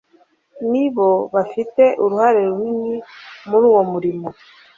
ni bo bafite uruhare runini muri uwo murimo